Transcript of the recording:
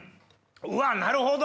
うわなるほど！